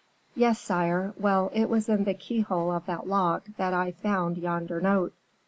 "Yes, sire. Well, it was in the keyhole of that lock that I found yonder note."